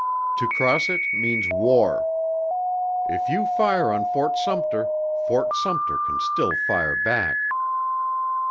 To cross it means war. If you fire on Fort Sumpter, Fort Sumpter can still fire back."